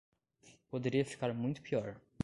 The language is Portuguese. Poderia ficar muito pior.